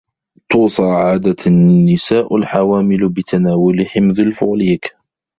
توصى عادةً النساء الحوامل بتناول حمض الفوليك